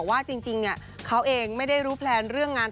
ว่าจริงเขาเองไม่ได้รู้แพลนเรื่องงาน